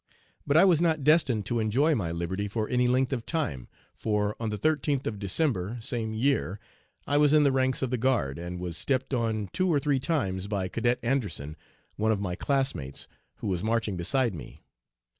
But I was not destined to enjoy my liberty for any length of time, for on the 13th of December, same year, I was in the ranks of the guard, and was stepped on two or three times by Cadet Anderson, one of my classmates, who was marching beside me.